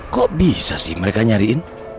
kok bisa sih mereka nyariin